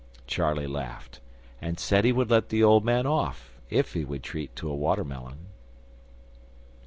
Charley laughed, and said he would let the old man off if he would treat to a watermelon.